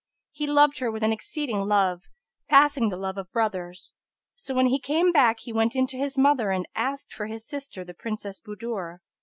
He loved her with an exceeding love, passing the love of brothers; so when he came back he went in to his mother and asked for his sister, the Princess Budur.